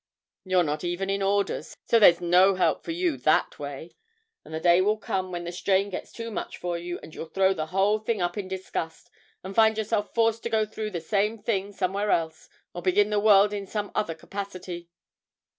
You're not even in orders, so there's no help for you that way; and the day will come when the strain gets too much for you, and you'll throw the whole thing up in disgust, and find yourself forced to go through the same thing somewhere else, or begin the world in some other capacity.